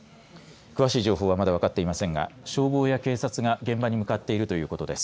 詳しい情報はまだわかっていませんが消防や警察が現場に向かっているということです。